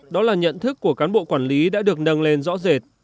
đó là nhận thức của cán bộ quản lý đã được nâng lên rõ rệt